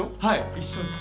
一緒っす。